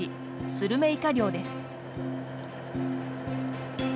スルメイカ漁です。